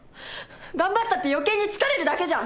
頑張ったって余計に疲れるだけじゃん！